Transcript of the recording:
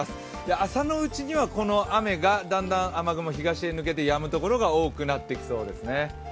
朝のうちにはこの雨がだんだん雨雲が東に抜けてやむところが多くなってきそうですね。